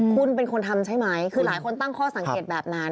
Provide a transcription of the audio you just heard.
คุณเป็นคนทำใช่ไหมคือหลายคนตั้งข้อสังเกตแบบนั้น